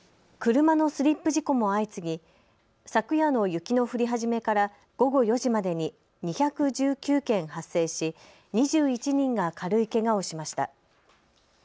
車のスリップ事故も相次ぎ昨夜の雪の降り始めから午後４時までに２１９件発生し２１人が軽いけがをしました。